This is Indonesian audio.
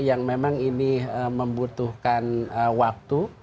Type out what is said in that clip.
yang memang ini membutuhkan waktu